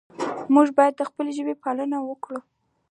موږ باید د خپلې ژبې پالنه وکړو.